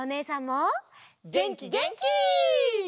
げんきげんき！